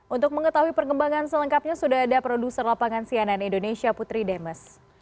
untuk mengetahui perkembangan selengkapnya sudah ada produser lapangan cnn indonesia putri demes